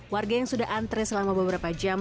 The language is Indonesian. warga yang sudah antre selama beberapa jam